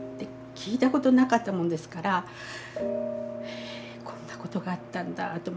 聞いたことなかったもんですからえこんなことがあったんだと思って。